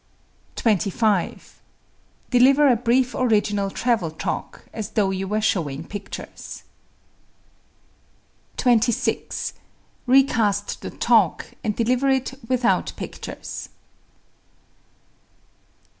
25. Deliver a brief original travel talk, as though you were showing pictures. 26. Recast the talk and deliver it "without pictures."